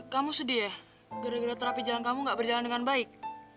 kamu sedih ya gara gara terapi jalan kamu gak berjalan dengan baik